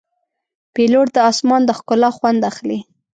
پیلوټ د آسمان د ښکلا خوند اخلي.